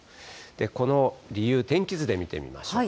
この理由、天気図で見てみましょう。